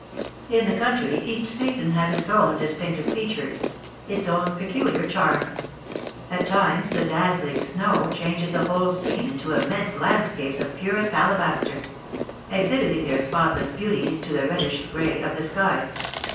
In the country each season has its own distinctive features, its own peculiar charm; at times the dazzling snow changes the whole scene into immense landscapes of purest alabaster, exhibiting their spotless beauties to the reddish gray of the sky.